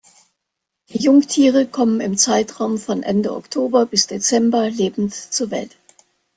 Die Jungtiere kommen im Zeitraum von Ende Oktober bis Dezember lebend zur Welt.